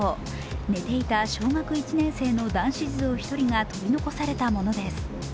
寝ていた小学１年生の男子児童１人が取り残されたものです。